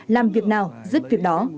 làm việc nào giúp việc đó